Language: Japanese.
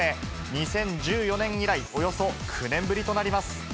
２０１４年以来、およそ９年ぶりとなります。